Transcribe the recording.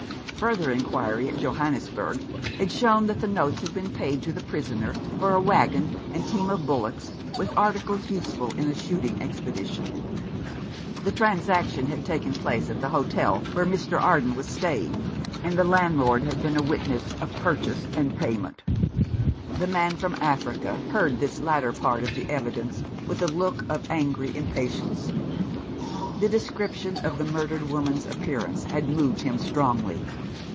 Further inquiry at Johannesburg had shown that the notes had been paid to the prisoner for a waggon and team of bullocks, with articles useful in a shooting expedition. The transaction had taken place at the hotel where Mr. Arden was staying, and the 142 At Bow Street. landlord had been a witness of purchase and payment. The man from Africa heard this latter part of the evidence with a look of angry impatience. The description of the murdered woman's appear ance had moved him strongly.